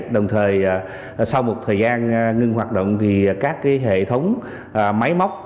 đồng thời sau một thời gian ngưng hoạt động thì các hệ thống máy móc